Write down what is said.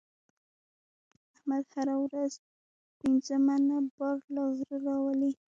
احمد هره ورځ پنځه منه بار له غره راولي.